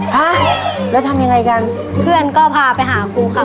ฮะแล้วทำยังไงกันเพื่อนก็พาไปหาครูค่ะ